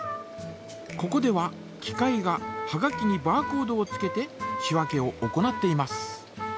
ここでは機械がはがきにバーコードをつけて仕分けを行っています。